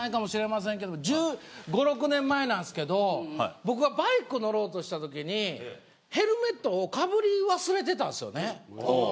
１５、６年前なんですけど僕がバイク乗ろうとしたときにヘルメットをかぶり忘れていたんですよね